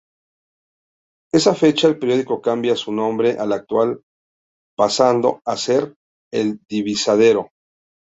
Esa fecha, el periódico cambia su nombre al actual, pasando a ser "El Divisadero".